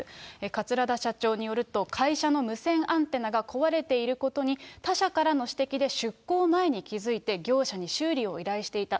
桂田社長によると、会社の無線アンテナが壊れていることに、他社からの指摘で、出航前に気付いて、業者に修理を依頼していた。